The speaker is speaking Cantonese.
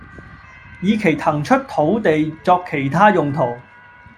以期騰出土地作其他用途